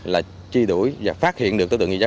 là chi đuổi và phát hiện được tối tượng gì đó